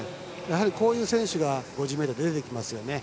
こういう選手が５０ｍは出てきますよね。